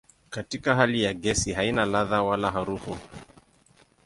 Katika hali ya gesi haina ladha wala harufu.